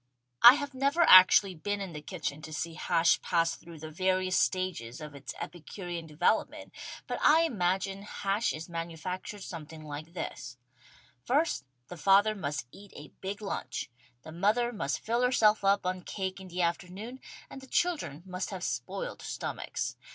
I have never actually been in the kitchen to see hash pass through the various stages of its epicurean develop ment, but I imagine hash is manufactured something like this: First the father must eat a big lunch, the mother must fill herself up on cake in the afternoon and the children must have spoiled stomachs.